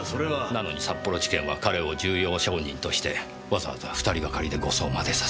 なのに札幌地検は彼を重要証人としてわざわざ２人がかりで護送までさせた。